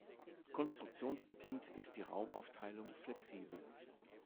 Konstruktionsbedingt ist die Raumaufteilung flexibel.